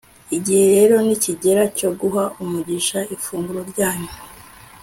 igihe rero nikigera cyo guha umugisha ifunguro ryanyu